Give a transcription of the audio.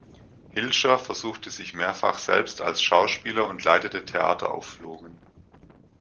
Hilscher versuchte sich mehrfach selbst als Schauspieler und leitete Theateraufführungen.